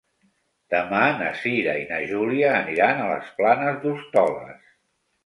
Demà na Cira i na Júlia aniran a les Planes d'Hostoles.